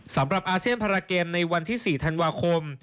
อาเซียนพาราเกมในวันที่๔ธันวาคม